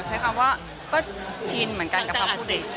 ใช้คำว่าก็ชินเหมือนกันกับความรู้สึก